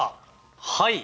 はい！